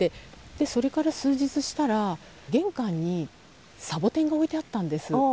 それから数日したら玄関にサボテンが置いてあったんです。